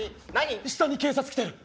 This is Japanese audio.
下に警察来てる。